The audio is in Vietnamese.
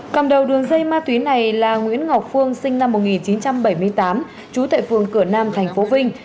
cầm đầu đường dây ma túy này là nguyễn ngọc phương sinh năm một nghìn chín trăm bảy mươi tám trú tại phường cửa nam thành phố vinh